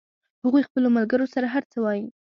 هغوی خپلو ملګرو سره هر څه وایي